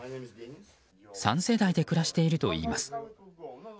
３世代で暮らしているといいます。